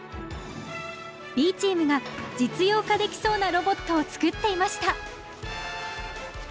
Ｂチームが実用化できそうなロボットを作っていました